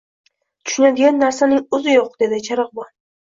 — Tushunadigan narsaning o‘zi yo‘q, — dedi charog‘bon.